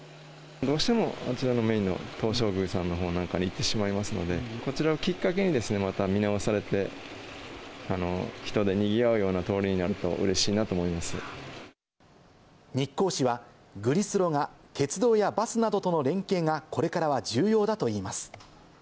どうしても、あちらのメインの東照宮さんのほうなんかに行ってしまいますので、こちらをきっかけに、また見直されて、人でにぎわうような通りに日光市は、グリスロが鉄道やバスなどとの連携が、これからは重要だといいます。